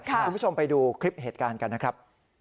คุณผู้ชมไปดูคลิปเหตุการณ์กันนะครับ